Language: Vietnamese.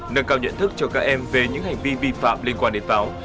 nâng cao nhận thức cho các em về những hành vi vi phạm liên quan đến pháo